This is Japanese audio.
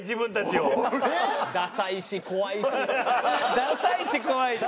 ダサいし怖いし。